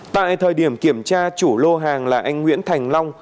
tại thời điểm kiểm tra chủ lô hàng là anh nguyễn thành long